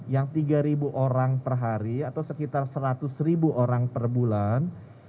yang tiga orang per hari atau sekitar seratus ribu orang per bulan